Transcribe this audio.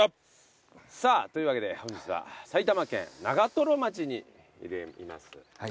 さぁというわけで本日は埼玉県長瀞町にいます。